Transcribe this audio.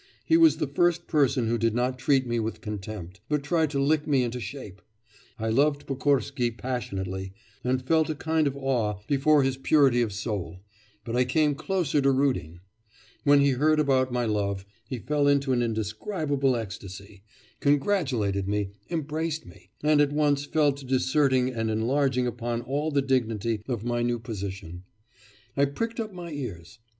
He was the first person who did not treat me with contempt, but tried to lick me into shape. I loved Pokorsky passionately, and felt a kind of awe before his purity of soul, but I came closer to Rudin. When he heard about my love, he fell into an indescribable ecstasy, congratulated me, embraced me, and at once fell to disserting and enlarging upon all the dignity of my new position. I pricked up my ears....